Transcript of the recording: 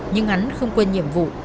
nhưng hắn không quên nhiệm vụ